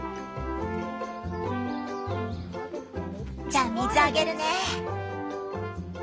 じゃあ水あげるね！